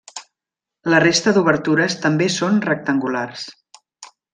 La resta d'obertures també són rectangulars.